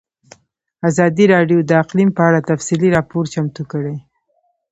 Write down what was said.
ازادي راډیو د اقلیم په اړه تفصیلي راپور چمتو کړی.